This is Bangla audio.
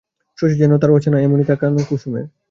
শশী যেন তার অচেনা, এমনি তাকানো কুসুমের।